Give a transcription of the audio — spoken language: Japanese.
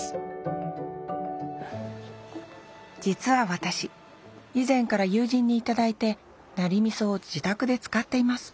実は私以前から友人に頂いてナリ味噌を自宅で使っています。